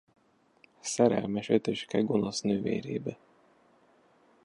Szerelmes Ötöske gonosz nővérébe.